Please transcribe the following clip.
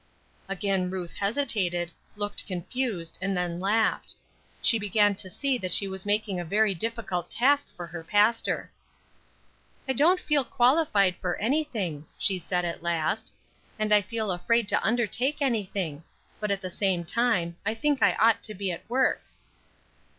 Again Ruth hesitated, looked confused, and then laughed. She began to see that she was making a very difficult task for her pastor. "I don't feel qualified for anything," she said, at last. "And I feel afraid to undertake anything. But at the same time, I think I ought to be at work."